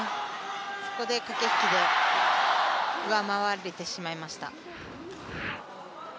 そこで駆け引きで上回られてしまいました。